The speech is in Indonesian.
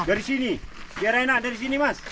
dari sini biar enak dari sini mas